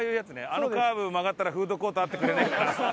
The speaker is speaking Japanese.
「あのカーブ曲がったらフードコートあってくれないかな」。